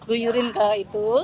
dipulihkan ke itu